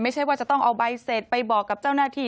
ไม่ใช่ว่าจะต้องเอาใบเสร็จไปบอกกับเจ้าหน้าที่